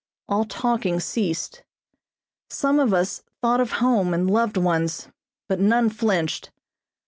All talking ceased. Some of us thought of home and loved ones, but none flinched.